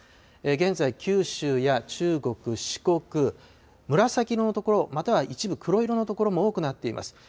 現在、九州や中国、四国、紫色の所、または一部黒色のところも多くなっています。